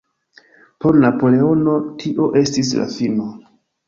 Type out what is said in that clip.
Por Napoleono tio estis la fino.